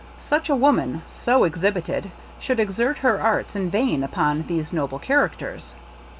Such a woman, so exhibited, should exert her arts in vain upon these noble characters.